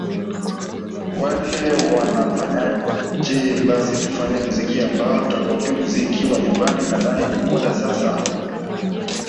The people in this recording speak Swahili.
Wayne wanafanyaje basi tufanye muziki ambao tutakopi muziki wa nyumbani Nadhani ni muda sasa